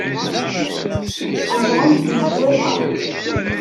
Zedɣent deg lejwayeh-a.